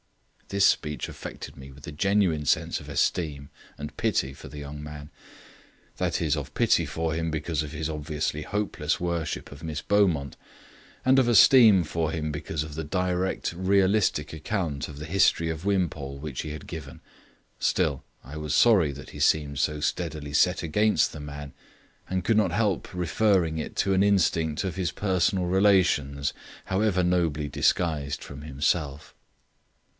This speech affected me with a genuine sense of esteem and pity for the young man; that is, of pity for him because of his obviously hopeless worship of Miss Beaumont, and of esteem for him because of the direct realistic account of the history of Wimpole which he had given. Still, I was sorry that he seemed so steadily set against the man, and could not help referring it to an instinct of his personal relations, however nobly disguised from himself.